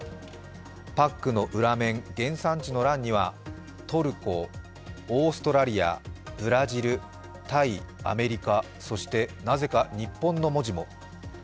パックの裏面、原産地の欄にはトルコ、オーストラリア、ブラジル、タイ、アメリカ、そしてなぜか日本の文字も。